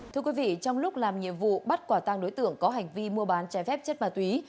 thưa quý vị trong lúc làm nhiệm vụ bắt quả tang đối tượng có hành vi mua bán trái phép chất ma túy